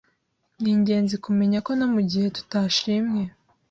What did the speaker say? Ni ingenzi kumenya ko no mugihe tutashimwe,